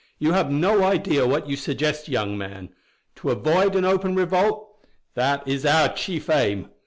You have no idea what you suggest, young man. To avoid an open revolt that is our chief aim.